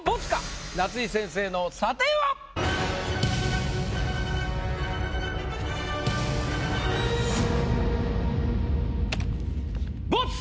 夏井先生の査定は⁉ボツ！